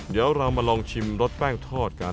เดี๋ยวเรามาลองชิมรสแป้งทอดกัน